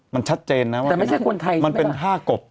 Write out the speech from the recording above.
มันชัดเจนนะว่ามันเป็นท่ากบ